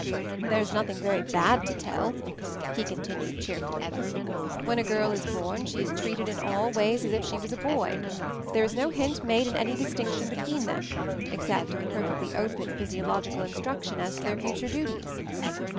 "There's nothing very bad to tell," he con tinued cheerfully. "When a girl is born she is treated in all ways as if she was a boy; there is no hint made in any distinction be tween them except in the perfectly open physiological instruction as to their future duties.